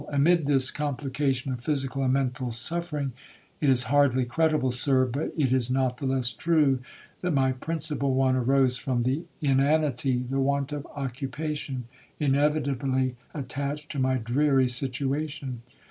Amid this complication of physical and mental suffering, it is hardly credible, Sir, but it is not the less true, that my principal one arose from the inanity, the want of occupation, inevitably attached to my dreary situation.